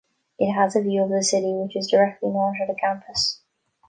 It has a view of the city, which is directly north of the campus.